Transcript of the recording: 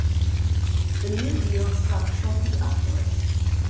"The New Deal" stuck shortly afterwards.